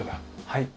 はい。